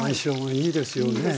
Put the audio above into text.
いいですよね。